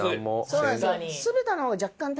そうなんですよ。